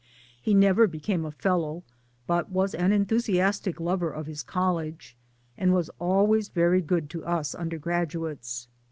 He never became a Fellow, but was an enthusiastic lover of his College ; and was always very good to us undergraduates.